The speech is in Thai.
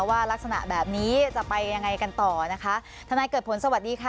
ว่ารักษณะแบบนี้จะไปยังไงกันต่อนะคะทนายเกิดผลสวัสดีค่ะ